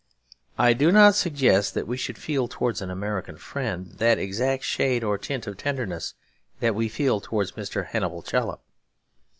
I do not suggest that we should feel towards an American friend that exact shade or tint of tenderness that we feel towards Mr. Hannibal Chollop.